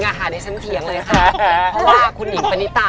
แต่ถ้าไม่มีกันก็ฉันปลอดภัย